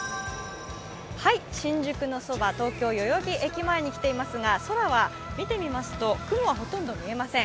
新宿のそば、東京・代々木駅前に来ていますが空は、雲はほとんど見えません。